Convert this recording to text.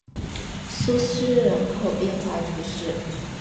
苏斯人口变化图示